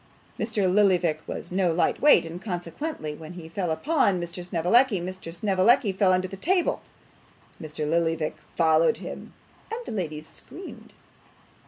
Mr. Lillyvick was no light weight, and consequently when he fell upon Mr. Snevellicci, Mr. Snevellicci fell under the table. Mr. Lillyvick followed him, and the ladies screamed.